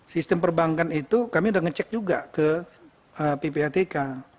sistem perbankan itu kami sudah ngecek juga ke ppatk